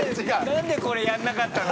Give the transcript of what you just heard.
何でこれやらなかったの？